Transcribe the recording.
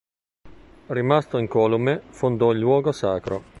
Rimasto incolume fondò il luogo sacro.